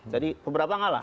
jadi beberapa ngalah